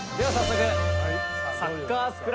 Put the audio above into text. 「はい」